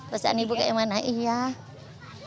bagaimana perasaan ibu